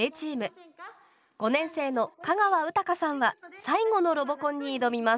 ５年生の香川詩花さんは最後のロボコンに挑みます。